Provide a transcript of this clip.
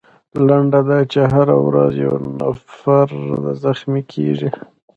لنډه دا چې هره ورځ یو نفر زخمي کیږي.